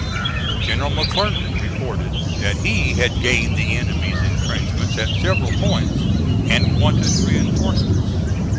General McClernand reported that he had gained the enemy's intrenchments at several points, and wanted reinforcements.